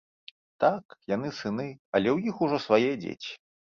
Так, яны сыны, але ў іх ужо свае дзеці.